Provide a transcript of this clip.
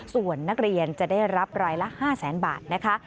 ส่วนนักเรียนจะได้รับรายละ๕แสนบาทนะคะ